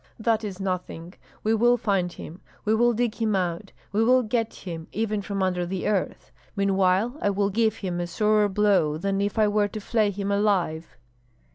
"That is nothing! We will find him! We will dig him out! We will get him, even from under the earth! Meanwhile I will give him a sorer blow than if I were to flay him alive."